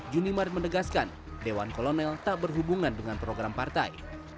juni marin menegaskan dewan kolonel tak berhubungan dengan program partai